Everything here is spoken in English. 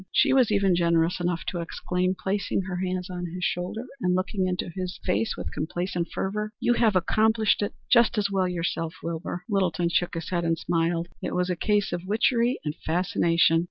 She was even generous enough to exclaim, placing her hands on his shoulders and looking into his face with complacent fervor: "You might have accomplished it just as well yourself, Wilbur." Littleton shook his head and smiled. "It was a case of witchery and fascination.